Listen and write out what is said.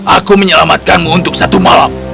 aku menyelamatkanmu untuk satu malam